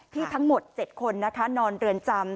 ที่ทั้งหมด๗คนนอนเรือนจำ